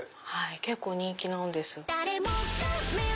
結構人気なんです。